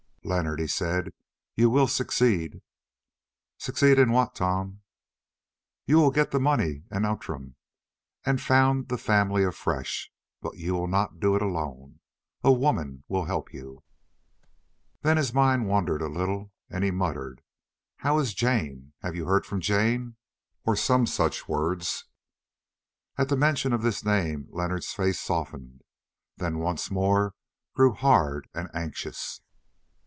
"Leonard," he said, "you will succeed." "Succeed in what, Tom?" "You will get the money and Outram—and found the family afresh—but you will not do it alone. A woman will help you." Then his mind wandered a little and he muttered, "How is Jane? Have you heard from Jane?" or some such words. At the mention of this name Leonard's face softened, then once more grew hard and anxious.